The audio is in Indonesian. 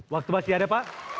waktu masih ada pak